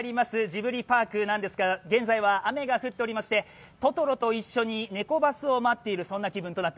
ジブリパークなんですが、現在は雨が降っておりまして、トトロと一緒にネコバスを待っている、そんな気分です。